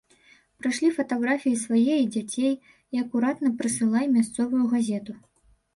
Прышлі фатаграфіі свае і дзяцей і акуратна прысылай мясцовую газету.